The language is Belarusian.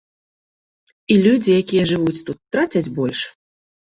І людзі, якія жывуць тут, трацяць больш.